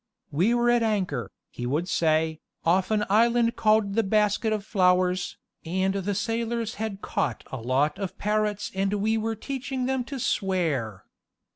"We was at anchor," he would say, "off an island called the Basket of Flowers, and the sailors had caught a lot of parrots and we were teaching them to swear.